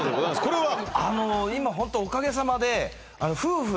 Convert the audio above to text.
これは？